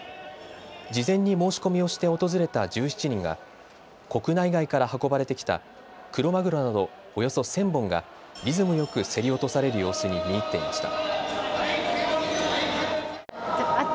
事前に申し込みをして訪れた１７人が国内外から運ばれてきたクロマグロなどおよそ１０００本がリズムよく競り落とされる様子に見入っていました。